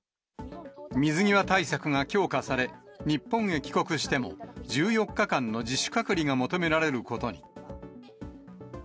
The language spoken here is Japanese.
水際対策が強化され、日本へ帰国しても、１４日間の自主隔離が求められることに。